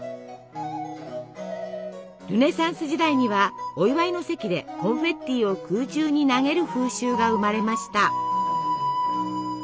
ルネサンス時代にはお祝いの席でコンフェッティを空中に投げる風習が生まれました。